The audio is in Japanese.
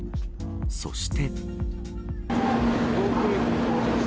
そして。